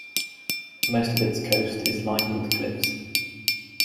Most of its coast is lined with cliffs.